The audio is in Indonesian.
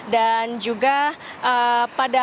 dan juga pada